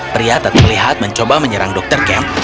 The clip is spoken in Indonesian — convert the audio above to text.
pria tak terlihat mencoba menyerang dr kemp